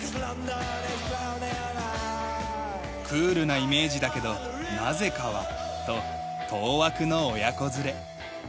「クールなイメージだけどなぜかは？」と当惑の親子連れ。